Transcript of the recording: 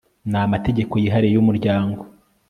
n amategeko yihariye y umuryango